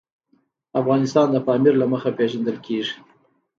افغانستان د پامیر له مخې پېژندل کېږي.